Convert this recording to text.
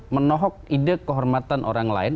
menohok ide kehormatan orang lain